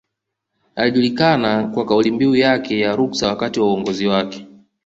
Alijulikana kwa kaulimbiu yake ya Ruksa wakati wa uongozi wake